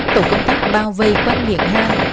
tổ công tác bao vây quan miệng hang